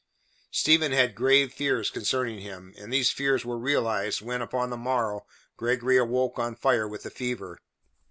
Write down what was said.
Stephen had grave fears concerning him, and these fears were realized when upon the morrow Gregory awoke on fire with the fever.